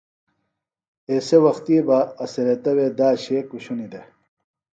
ایسےۡ وختی بہ اڅھریتہ وے داشے کوۡشنیۡ دےۡ